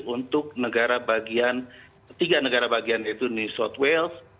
untuk negara bagian tiga negara bagian yaitu new south wales